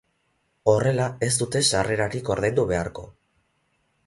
Horrela, ez dute sarrerarik ordaindu beharko.